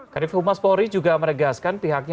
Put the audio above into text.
kadif humas polri juga menegaskan pihaknya